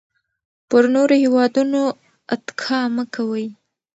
پر نورو هېوادونو اتکا مه کوئ.